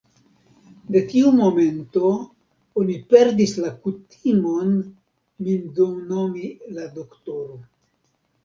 De tiu momento, oni perdis la kutimon, min nomi la doktoro.